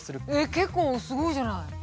結構すごいじゃない！